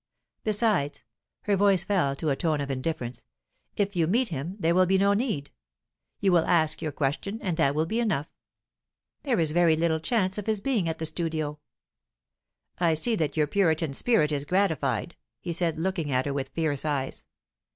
Besides" her voice fell to a tone of indifference "if you meet him, there will be no need. You will ask your question, and that will be enough. There is very little chance of his being at the studio." "I see that your Puritan spirit is gratified," he said, looking at her with fierce eyes.